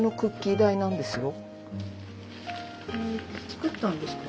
作ったんですか？